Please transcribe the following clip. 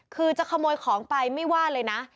คือจะขโมยของไปไม่ว่าเลยนะ